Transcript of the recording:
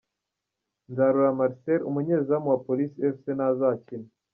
Nzarora Marcel umunyezamu wa Police Fc ntazakina .